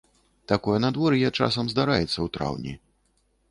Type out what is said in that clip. Такое надвор'е часам здараецца і ў траўні.